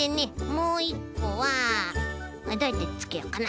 もういっこはどうやってつけようかな。